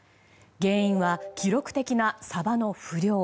原因は記録的なサバの不漁。